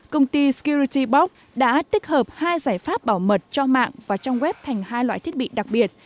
công ty skyurity box đã tích hợp hai giải pháp bảo mật cho mạng và trang web thành hai loại thiết bị đặc biệt